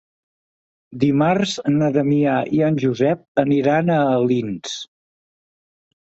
Dimarts na Damià i en Josep iran a Alins.